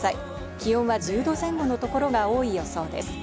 気温は１０度前後のところが多い予想です。